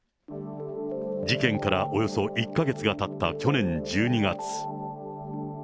事件からおよそ１か月がたった去年１２月。